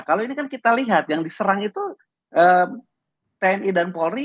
kalau ini kan kita lihat yang diserang itu tni dan polri